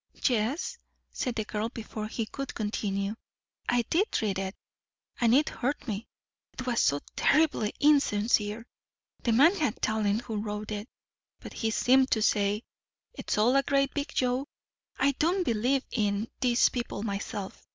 "Yes," said the girl before he could continue. "I did read it. And it hurt me. It was so terribly insincere. The man had talent who wrote it, but he seemed to say: 'It's all a great big joke. I don't believe in these people myself.